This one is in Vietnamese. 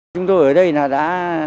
chúng tôi ở đây là đã